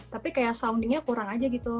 tapi kayak soundingnya kurang aja gitu